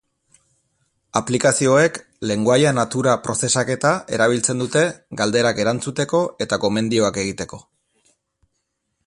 Aplikazioek, lengoaia-natura prozesaketa erabiltzen dute galderak erantzuteko eta gomendioak egiteko.